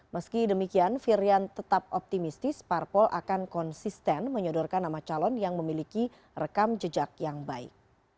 meski demikian firian tetap optimistis parpol akan konsisten menyodorkan nama calon yang memiliki rekam jejak yang baik